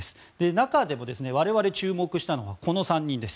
中でも我々が注目したのはこの３人です。